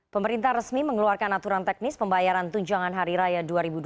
pemerintah resmi mengeluarkan aturan teknis pembayaran tunjangan hari raya dua ribu dua puluh